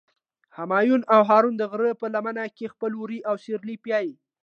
همایون او هارون د غره په لمن کې خپل وري او سرلي پیایی.